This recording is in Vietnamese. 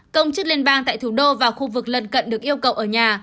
công chức liên bang tại thủ đô và khu vực lần cận được yêu cầu ở nhà